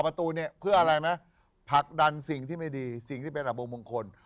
ประตูเนี่ยเพื่ออะไรนะผลักดันสิ่งที่ไม่ดีสิ่งที่เป็นอับมงคล